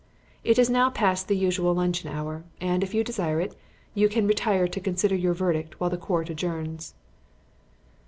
It is now past the usual luncheon hour, and, if you desire it, you can retire to consider your verdict while the Court adjourns."